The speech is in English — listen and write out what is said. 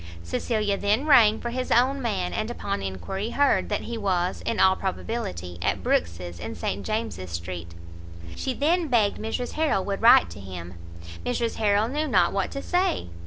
Cecilia then rang for his own man, and upon enquiry, heard that he was, in all probability, at Brookes's in St James's Street. She then begged Mrs Harrel would write to him. Mrs Harrel knew not what to say.